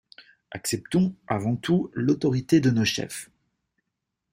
Acceptons, avant tout, l'autorité de nos chefs!